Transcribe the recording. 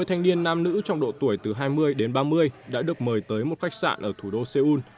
bốn trăm sáu mươi thanh niên nam nữ trong độ tuổi từ hai mươi đến ba mươi đã được mời tới một khách sạn ở thủ đô seoul